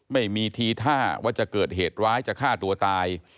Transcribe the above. ไม่มีทีท่าว่าจะเกิดเหตุร้ายจะฆ่าตัวตาย